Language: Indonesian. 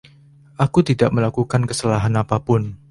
Aku tidak melakukan kesalahan apapun.